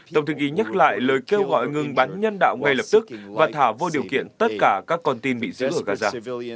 tổng thư ký nhắc lại lời kêu gọi ngừng bắn nhân đạo ngay lập tức và thả vô điều kiện tất cả các con tin bị giữ ở gaza